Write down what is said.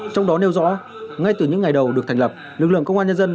trong đó nêu rõ ngay từ những ngày đầu được thành lập lực lượng công an nhân dân